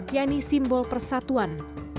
yakni simbol persatuan